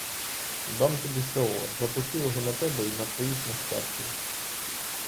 Дам тобі село, запишу його на тебе й на твоїх нащадків.